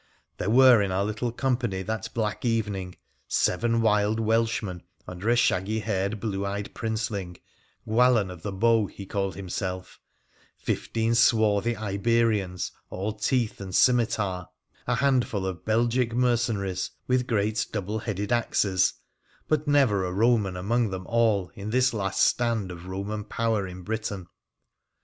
There were in our little company that black evening seven wild Welshmen, under a shaggy haired, blue eyed princeling : Gwallon of the Bow, he called himself — fifteen swarthy Iberians, all teeth and scimitar — a handful of Belgic merce naries, with great double headed axes — but never a Eoman among them all in this last stand of Roman power in Britain